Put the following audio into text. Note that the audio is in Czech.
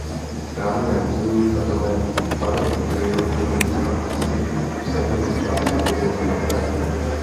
Chráněné území zahrnuje barokní krajinu kolem města Plasy v severní části Plzeňského kraje.